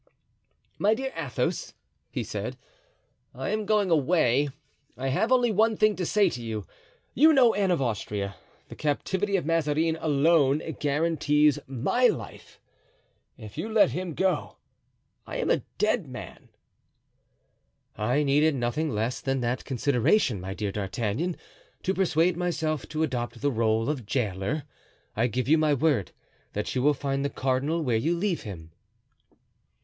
"My dear Athos," he said, "I am going away. I have only one thing to say to you. You know Anne of Austria; the captivity of Mazarin alone guarantees my life; if you let him go I am a dead man." "I needed nothing less than that consideration, my dear D'Artagnan, to persuade myself to adopt the role of jailer. I give you my word that you will find the cardinal where you leave him."